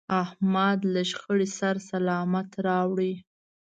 احمد له شخړې سر سلامت راوړ.